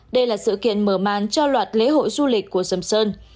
đây là sự kiện mở màn cho loạt lễ hội du lịch của sầm sơn